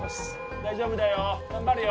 大丈夫だよ頑張るよ